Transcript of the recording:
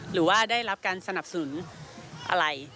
หรือว่าได้รับการสนับสนุนอะไร